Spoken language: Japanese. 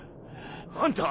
あんた！